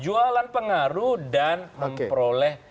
jualan pengaruh dan memperoleh